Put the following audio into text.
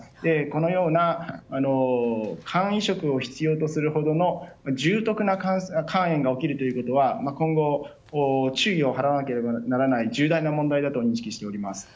このような肝移植を必要とするほどの重篤な肝炎が起きるということは今後注意を払わなければならない重大な問題だと認識しております。